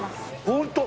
ホント？